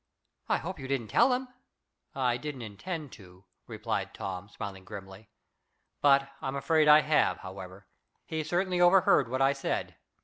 "I hope you didn't tell him." "I didn't intend to," replied Tom, smiling grimly, "but I'm afraid I have, however. He certainly overheard what I said.